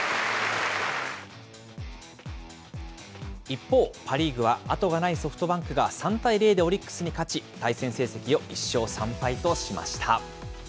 一方、パ・リーグは後がないソフトバンクが３対０でオリックスに勝ち、対戦成績を１勝３敗としました。